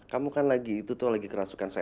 kamu kan lagi itu tuh lagi kerasukan saya